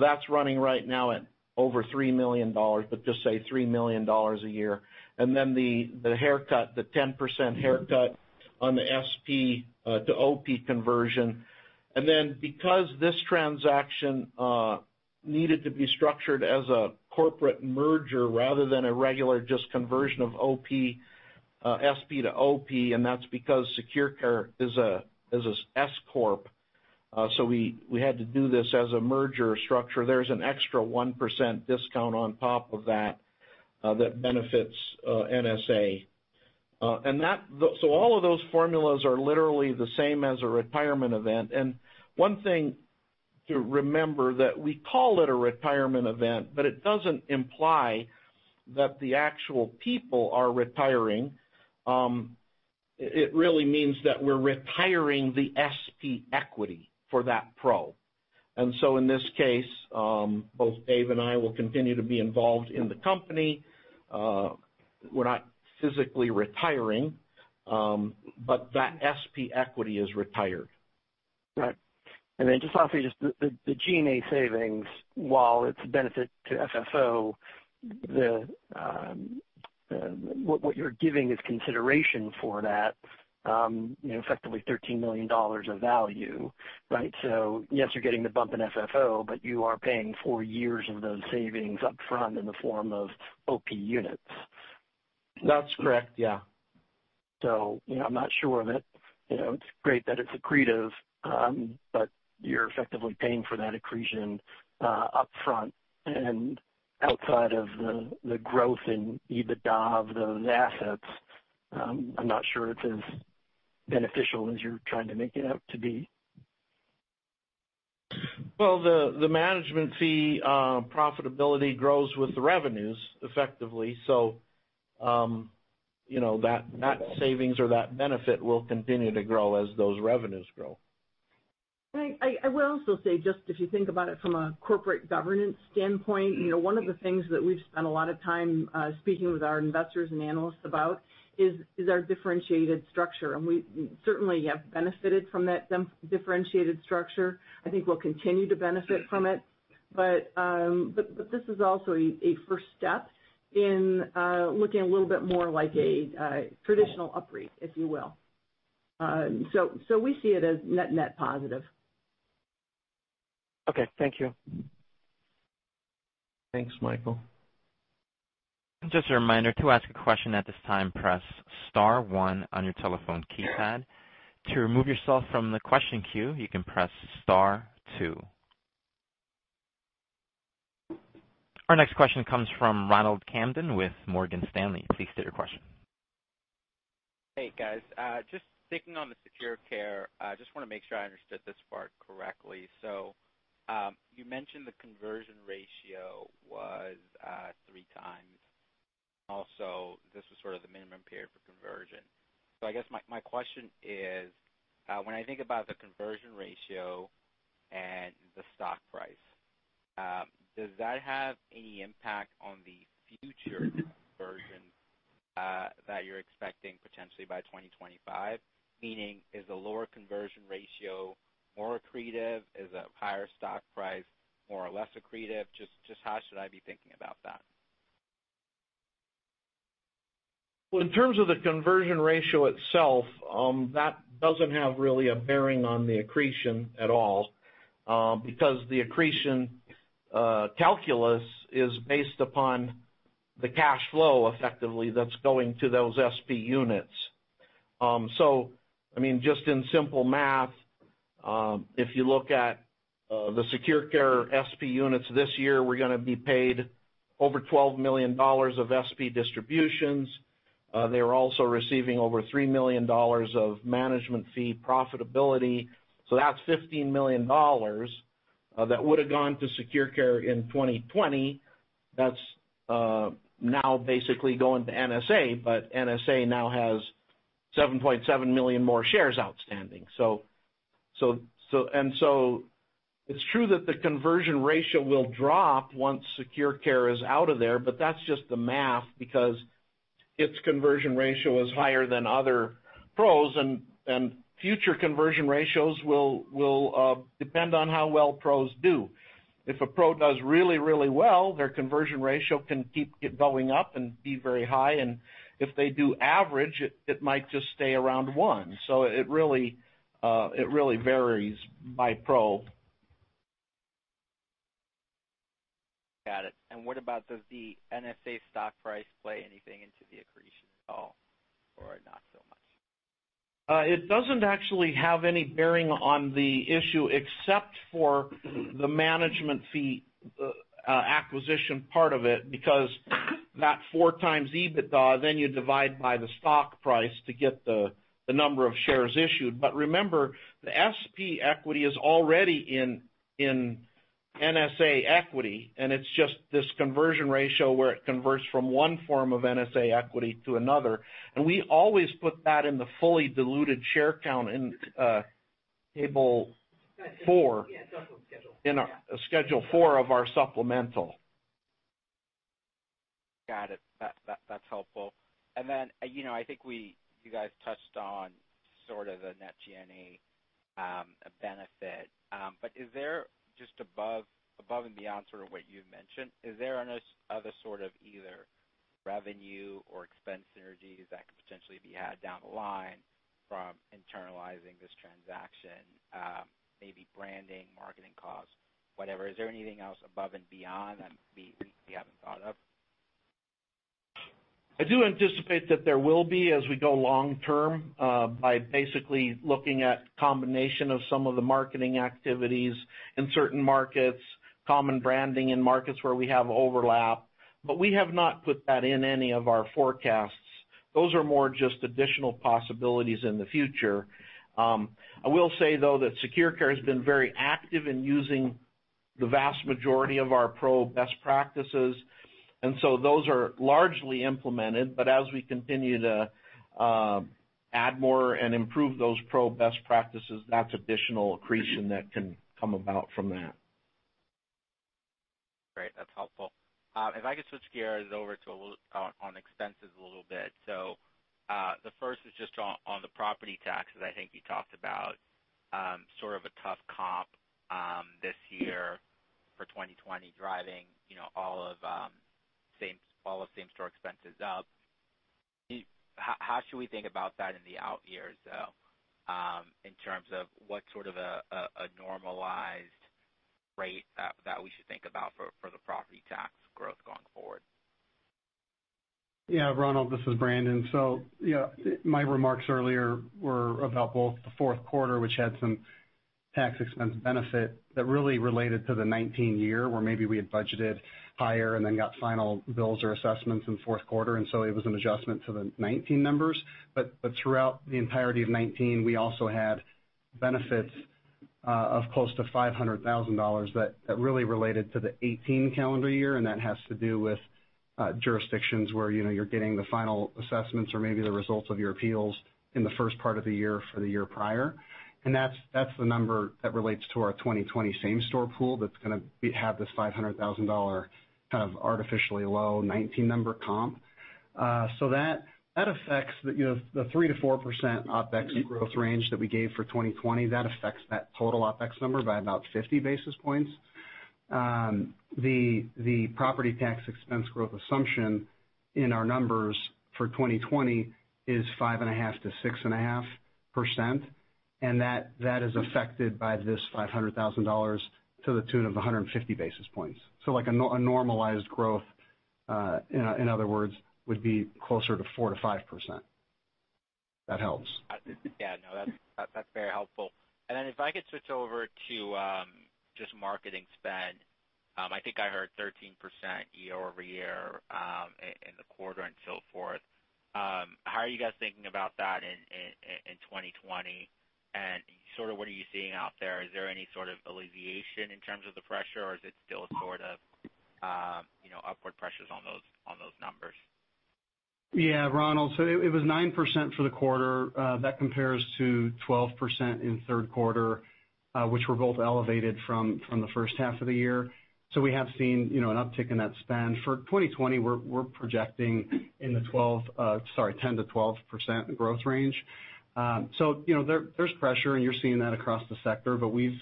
That's running right now at over $3 million, but just say $3 million a year. Then the haircut, the 10% haircut on the SP to OP conversion. Then because this transaction needed to be structured as a corporate merger rather than a regular just conversion of SP to OP, that's because SecurCare is an S corp, we had to do this as a merger structure. There's an extra 1% discount on top of that benefits NSA. All of those formulas are literally the same as a retirement event. One thing to remember that we call it a retirement event, but it doesn't imply that the actual people are retiring. It really means that we're retiring the SP equity for that PRO. In this case, both Dave and I will continue to be involved in the company. We're not physically retiring, but that SP equity is retired. Right. Just off of just the G&A savings, while it's a benefit to FFO, what you're giving is consideration for that, effectively $13 million of value, right? Yes, you're getting the bump in FFO, you are paying four years of those savings upfront in the form of OP units. That's correct. Yeah. I'm not sure that it's great that it's accretive, but you're effectively paying for that accretion upfront and outside of the growth in EBITDA of those assets. I'm not sure it's as beneficial as you're trying to make it out to be. The management fee profitability grows with the revenues effectively. That savings or that benefit will continue to grow as those revenues grow. I will also say, just if you think about it from a corporate governance standpoint, one of the things that we've spent a lot of time speaking with our investors and analysts about is our differentiated structure. We certainly have benefited from that differentiated structure. I think we'll continue to benefit from it. This is also a first step in looking a little bit more like a traditional UPREIT, if you will. We see it as net positive. Okay. Thank you. Thanks, Michael. Just a reminder, to ask a question at this time, press star one on your telephone keypad. To remove yourself from the question queue, you can press star two. Our next question comes from Ronald Kamdem with Morgan Stanley. Please state your question. Hey, guys. Just sticking on the SecurCare, I just want to make sure I understood this part correctly. You mentioned the conversion ratio was 3x. Also, this was sort of the minimum period for conversion. I guess my question is, when I think about the conversion ratio and the stock price, does that have any impact on the future conversions that you're expecting potentially by 2025? Meaning is the lower conversion ratio more accretive? Is a higher stock price more or less accretive? Just how should I be thinking about that? Well, in terms of the conversion ratio itself, that doesn't have really a bearing on the accretion at all. The accretion calculus is based upon the cash flow effectively that's going to those SP units. Just in simple math, if you look at the SecurCare SP units this year, we're going to be paid over $12 million of SP distributions. They were also receiving over $3 million of management fee profitability. That's $15 million that would have gone to SecurCare in 2020. That's now basically going to NSA. NSA now has 7.7 million more shares outstanding. It's true that the conversion ratio will drop once SecurCare is out of there, but that's just the math because its conversion ratio is higher than other PROs and future conversion ratios will depend on how well PROs do. If a PRO does really well, their conversion ratio can keep going up and be very high. If they do average, it might just stay around one. It really varies by PRO. Got it. What about does the NSA stock price play anything into the accretion at all or not so much? It doesn't actually have any bearing on the issue except for the management fee acquisition part of it, because that 4x EBITDA, then you divide by the stock price to get the number of shares issued. Remember, the SP equity is already in NSA equity, and it's just this conversion ratio where it converts from one form of NSA equity to another. We always put that in the fully diluted share count in table four. Yeah, schedule four. Yeah. In our schedule four of our supplemental. Got it. That's helpful. I think you guys touched on sort of the net G&A benefit. Is there just above and beyond sort of what you had mentioned, is there any other sort of either revenue or expense synergies that could potentially be had down the line from internalizing this transaction? Maybe branding, marketing costs, whatever. Is there anything else above and beyond that we haven't thought of? I do anticipate that there will be as we go long-term, by basically looking at combination of some of the marketing activities in certain markets, common branding in markets where we have overlap. We have not put that in any of our forecasts. Those are more just additional possibilities in the future. I will say, though, that SecurCare has been very active in using the vast majority of our PRO best practices, and so those are largely implemented. As we continue to add more and improve those PRO best practices, that's additional accretion that can come about from that. Great. That's helpful. If I could switch gears over on expenses a little bit. The first is just on the property taxes. I think you talked about sort of a tough comp this year for 2020 driving all of same-store expenses up. How should we think about that in the out years, though, in terms of what sort of a normalized rate that we should think about for the property tax growth going forward? Yeah, Ronald, this is Brandon. Yeah, my remarks earlier were about both the fourth quarter, which had some tax expense benefit that really related to the 2019 year, where maybe we had budgeted higher and then got final bills or assessments in fourth quarter, it was an adjustment to the 2019 numbers. Throughout the entirety of 2019, we also had benefits of close to $500,000 that really related to the 2018 calendar year, that has to do with jurisdictions where you're getting the final assessments or maybe the results of your appeals in the first part of the year for the year prior. That's the number that relates to our 2020 same-store pool that's going to have this $500,000 kind of artificially low 2019 number comp. That affects the 3%-4% OpEx growth range that we gave for 2020. That affects that total OpEx number by about 50 basis points. The property tax expense growth assumption in our numbers for 2020 is 5.5%-6.5%, that is affected by this $500,000 to the tune of 150 basis points. Like a normalized growth, in other words, would be closer to 4%-5%. That helps. Yeah. No, that's very helpful. If I could switch over to just marketing spend. I think I heard 13% year-over-year in the quarter and so forth. How are you guys thinking about that in 2020 and sort of what are you seeing out there? Is there any sort of alleviation in terms of the pressure, or is it still sort of upward pressures on those numbers? Yeah, Ronald. It was 9% for the quarter. That compares to 12% in third quarter, which were both elevated from the first half of the year. We have seen an uptick in that spend. For 2020, we're projecting in the 10%-12% growth range. There's pressure, and you're seeing that across the sector, we've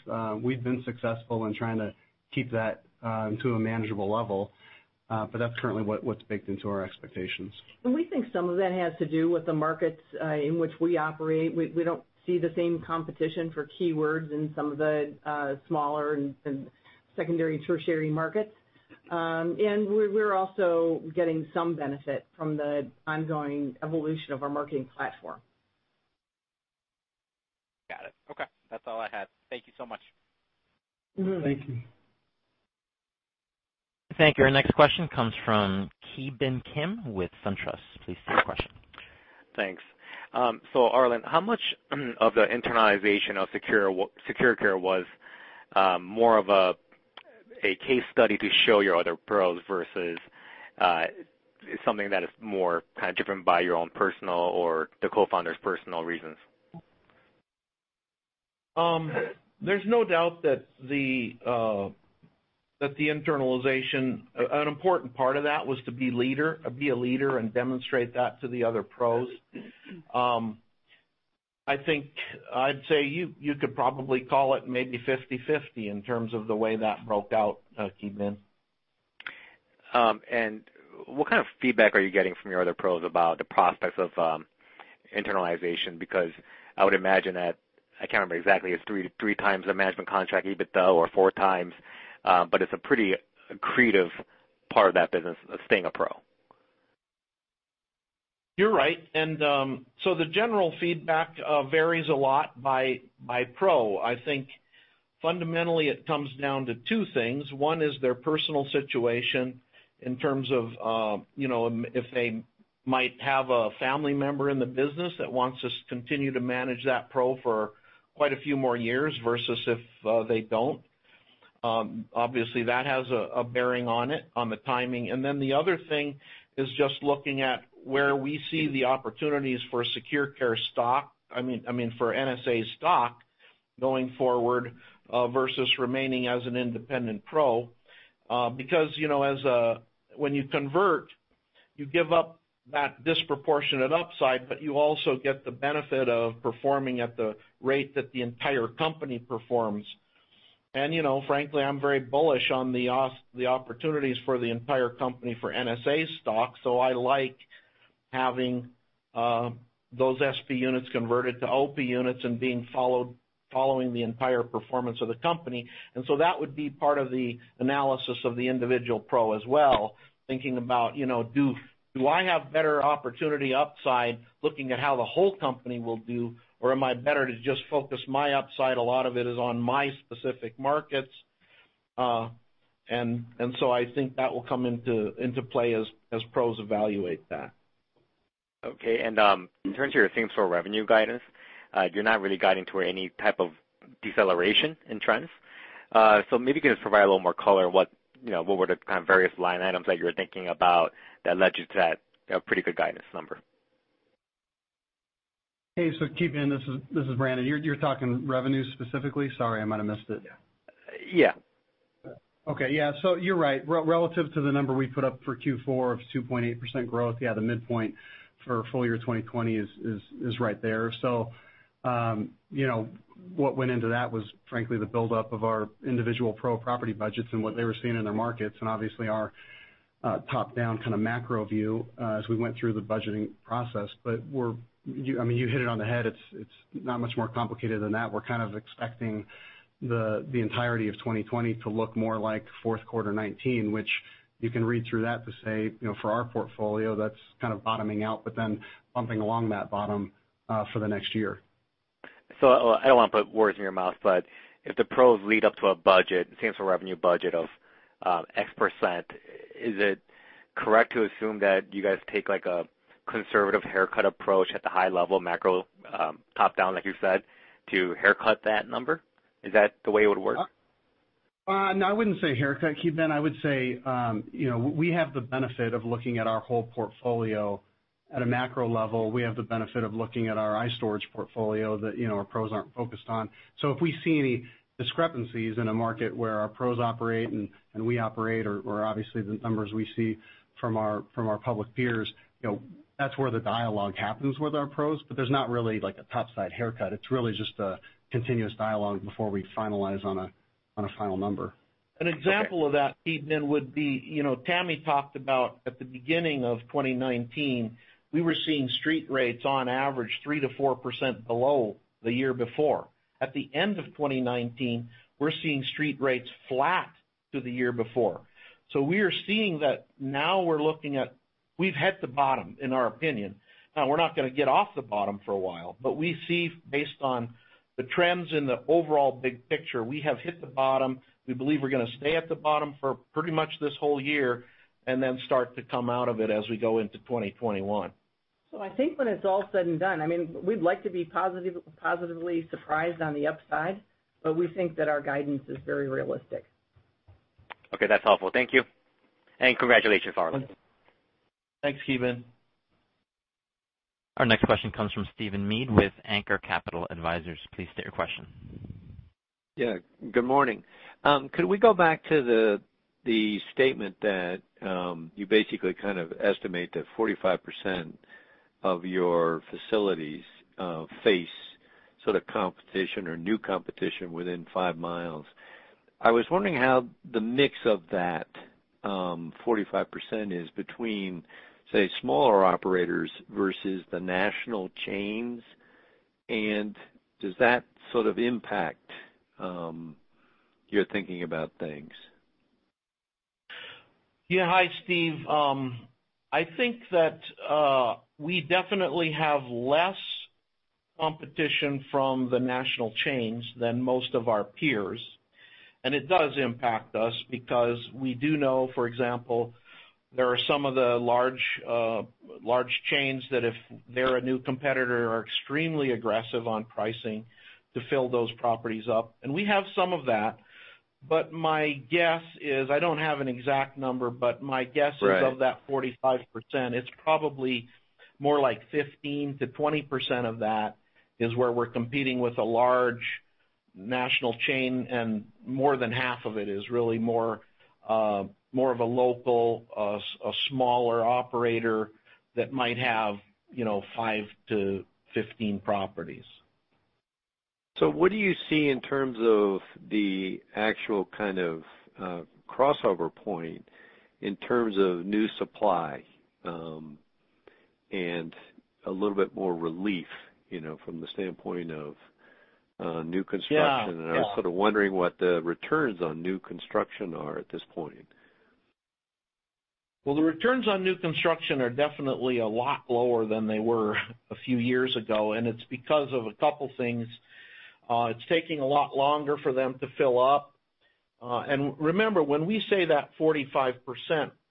been successful in trying to keep that to a manageable level. That's currently what's baked into our expectations. We think some of that has to do with the markets in which we operate. We don't see the same competition for keywords in some of the smaller and secondary, tertiary markets. We're also getting some benefit from the ongoing evolution of our marketing platform. Got it. Okay. That's all I had. Thank you so much. Thank you. Thank you. Our next question comes from Ki Bin Kim with SunTrust. Please state your question. Thanks. Arlen, how much of the internalization of SecurCare was more of a case study to show your other PROs versus something that is more kind of driven by your own personal or the Co-Founder's personal reasons? There's no doubt that the internalization, an important part of that was to be a leader and demonstrate that to the other PROs. I think I'd say you could probably call it maybe 50/50 in terms of the way that broke out, Ki Bin. What kind of feedback are you getting from your other PROs about the prospects of internalization? I would imagine that, I can't remember exactly, it's 3x the management contract EBITDA or 4x, but it's a pretty accretive part of that business, staying a PRO. You're right. The general feedback varies a lot by PRO. I think fundamentally it comes down to two things. One is their personal situation in terms of, if they might have a family member in the business that wants us to continue to manage that PRO for quite a few more years versus if they don't. Obviously, that has a bearing on it, on the timing. The other thing is just looking at where we see the opportunities for SecurCare stock, I mean, for NSA stock going forward, versus remaining as an independent PRO. When you convert, you give up that disproportionate upside, but you also get the benefit of performing at the rate that the entire company performs. Frankly, I'm very bullish on the opportunities for the entire company for NSA stock. I like having those SP units converted to OP units and being following the entire performance of the company. That would be part of the analysis of the individual PRO as well, thinking about, do I have better opportunity upside looking at how the whole company will do? Am I better to just focus my upside, a lot of it is on my specific markets? I think that will come into play as PROs evaluate that. Okay. In terms of your same-store revenue guidance, you're not really guiding to any type of deceleration in trends. Maybe can you just provide a little more color, what were the kind of various line items that you were thinking about that led you to that pretty good guidance number? Hey, Ki Bin, this is Brandon. You're talking revenue specifically? Sorry, I might have missed it. Yeah. Okay. Yeah. You're right. Relative to the number we put up for Q4 of 2.8% growth, yeah, the midpoint for full year 2020 is right there. What went into that was frankly the buildup of our individual PRO property budgets and what they were seeing in their markets, and obviously our top-down kind of macro view as we went through the budgeting process. You hit it on the head. It's not much more complicated than that. We're kind of expecting the entirety of 2020 to look more like fourth quarter 2019, which you can read through that to say, for our portfolio, that's kind of bottoming out, but then bumping along that bottom for the next year. I don't want to put words in your mouth, but if the PROs lead up to a budget, same-store revenue budget of X%, is it correct to assume that you guys take like a conservative haircut approach at the high-level macro, top-down, like you said, to haircut that number? Is that the way it would work? No, I wouldn't say haircut, Ki Bin. I would say we have the benefit of looking at our whole portfolio at a macro level. We have the benefit of looking at our iStorage portfolio that our PROs aren't focused on. If we see any discrepancies in a market where our PROs operate and we operate, or obviously the numbers we see from our public peers, that's where the dialogue happens with our PROs. There's not really like a top-side haircut. It's really just a continuous dialogue before we finalize on a final number. An example of that, Ki Bin, would be, Tammy talked about at the beginning of 2019, we were seeing street rates on average 3%-4% below the year before. At the end of 2019, we're seeing street rates flat to the year before. We are seeing that now we're looking at, we've hit the bottom, in our opinion. We're not going to get off the bottom for a while, but we see based on the trends in the overall big picture, we have hit the bottom. We believe we're going to stay at the bottom for pretty much this whole year and then start to come out of it as we go into 2021. I think when it's all said and done, we'd like to be positively surprised on the upside, but we think that our guidance is very realistic. Okay. That's helpful. Thank you. Congratulations, all of you. Thanks, Ki Bin. Our next question comes from Stephen Mead with Anchor Capital Advisors. Please state your question. Yeah. Good morning. Could we go back to the statement that you basically kind of estimate that 45% of your facilities face sort of competition or new competition within 5 mi. I was wondering how the mix of that 45% is between, say, smaller operators versus the national chains. Does that sort of impact your thinking about things? Yeah. Hi, Steve. I think that we definitely have less competition from the national chains than most of our peers, and it does impact us because we do know, for example, there are some of the large chains that if they're a new competitor, are extremely aggressive on pricing to fill those properties up. We have some of that. My guess is, I don't have an exact number, but my guess. Right. Is of that 45%, it's probably more like 15%-20% of that is where we're competing with a large national chain, and more than 1/2 of it is really more of a local, a smaller operator that might have 5-15 properties. What do you see in terms of the actual kind of crossover point in terms of new supply, and a little bit more relief, from the standpoint of new construction? Yeah. I was sort of wondering what the returns on new construction are at this point. Well, the returns on new construction are definitely a lot lower than they were a few years ago, and it's because of a couple things. It's taking a lot longer for them to fill up. Remember, when we say that 45%,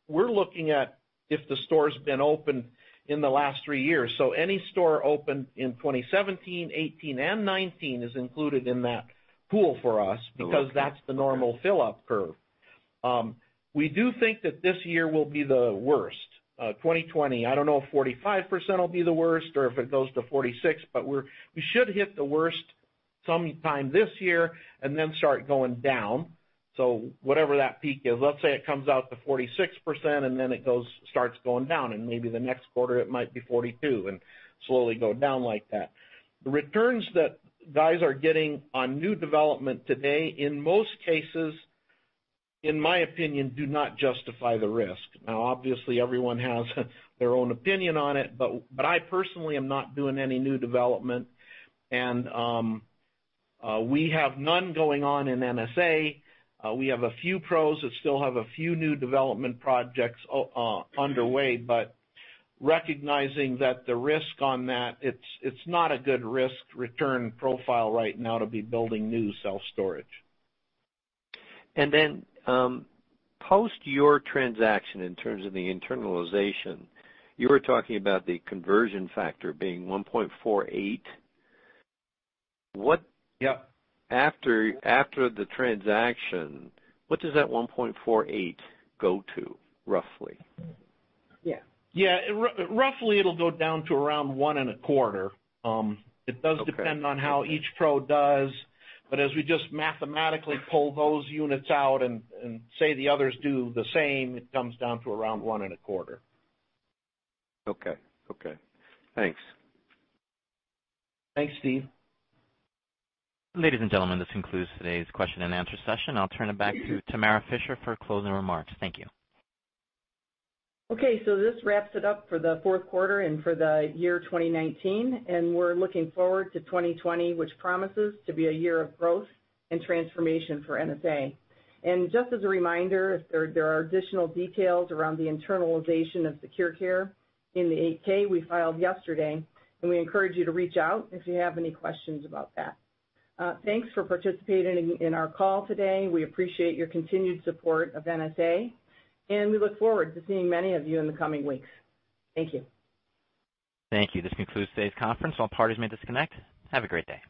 we're looking at if the store's been open in the last three years. Any store opened in 2017, 2018, and 2019 is included in that pool for us because that's the normal fill-up curve. We do think that this year will be the worst, 2020. I don't know if 45% will be the worst or if it goes to 46%, but we should hit the worst sometime this year and then start going down. Whatever that peak is, let's say it comes out to 46%, and then it starts going down, and maybe the next quarter it might be 42%, and slowly go down like that. The returns that guys are getting on new development today, in most cases, in my opinion, do not justify the risk. Obviously, everyone has their own opinion on it, but I personally am not doing any new development. We have none going on in NSA. We have a few PROs that still have a few new development projects underway, but recognizing that the risk on that, it's not a good risk-return profile right now to be building new self-storage. And then, post your transaction in terms of the internalization, you were talking about the conversion factor being 1.48. Yep. After the transaction, what does that 1.48 go to, roughly? Yeah. Roughly it'll go down to around 1.25. Okay. It does depend on how each PRO does, but as we just mathematically pull those units out and say the others do the same, it comes down to around 1.25. Okay. Thanks. Thanks, Steve. Ladies and gentlemen, this concludes today's question and answer session. I will turn it back to Tamara Fischer for closing remarks. Thank you. Okay, this wraps it up for the fourth quarter and for the year 2019, and we're looking forward to 2020, which promises to be a year of growth and transformation for NSA. Just as a reminder, there are additional details around the internalization of SecurCare in the 8-K we filed yesterday, and we encourage you to reach out if you have any questions about that. Thanks for participating in our call today. We appreciate your continued support of NSA, and we look forward to seeing many of you in the coming weeks. Thank you. Thank you. This concludes today's conference. All parties may disconnect. Have a great day.